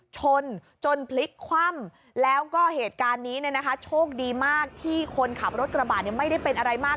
ชนจนพลิกคว่ำแล้วก็เหตุการณ์นี้เนี่ยนะคะโชคดีมากที่คนขับรถกระบะไม่ได้เป็นอะไรมาก